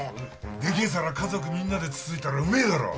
でけえ皿家族みんなでつついたらうめえだろ。